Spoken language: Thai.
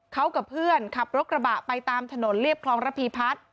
เขากับเพื่อนขับรถกระบะไปตามถนนเรียบคลองระพีพัฒน์